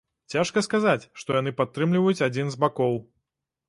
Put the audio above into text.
Цяжка сказаць, што яны падтрымліваюць адзін з бакоў.